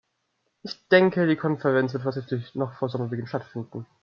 Ich denke, die Konferenz wird voraussichtlich noch vor Sommerbeginn stattfinden.